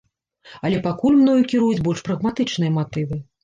Але пакуль мною кіруюць больш прагматычныя матывы.